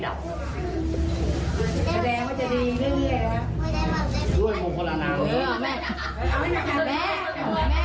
ผ้าทีผมขนตกไม่เดา